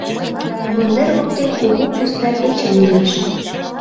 Вондер воктен кугу пуста печым ужеш.